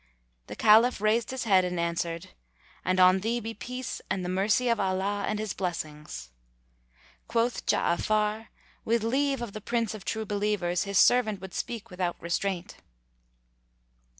The Caliph raised his head and answered, "And on thee be peace and the mercy of Allah and His blessings!" Quoth Ja'afar; "With leave of the Prince of True Believers, his servant would speak without restraint."